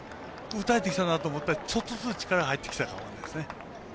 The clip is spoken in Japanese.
打たれてきたな？って思ったら、ちょっとずつ力が入ってきた感じですよね。